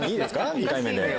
２回目で。